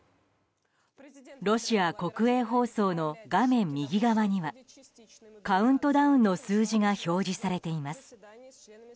ロシア国営放送の画面右側にはカウントダウンの数字が表示されています。